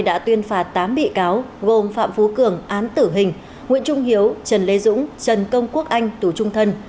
đã tuyên phạt tám bị cáo gồm phạm phú cường án tử hình nguyễn trung hiếu trần lê dũng trần công quốc anh tù trung thân